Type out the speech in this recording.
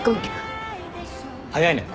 早いね。